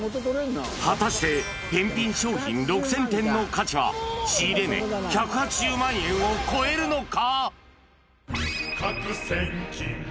果たして、返品商品６０００点の価値は、仕入れ値１８０万円を超えるのか。